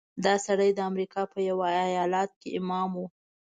دا سړی د امریکا په یوه ایالت کې امام و.